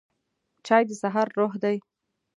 چای د سهار روح دی